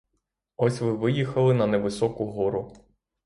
Ось ви виїхали на невисоку гору.